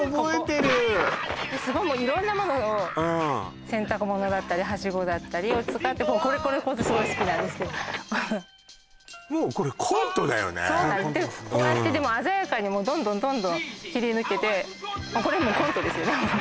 ここすごいもう色んなものを洗濯物だったりはしごだったりを使ってこれこれすごい好きなんですけどそうなのこうやってでも鮮やかにもうどんどんどんどん切り抜けてこれもコントですよね